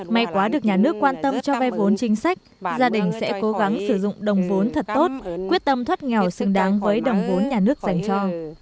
may quá được nhà nước quan tâm cho vay vốn chính sách gia đình sẽ cố gắng sử dụng đồng vốn thật tốt quyết tâm thoát nghèo xứng đáng với đồng vốn nhà nước dành cho